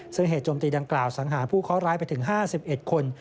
ซึ่งเหตุโจมตีดังกล่าวสังหาผู้เคาะร้ายไปถึง๕๑คน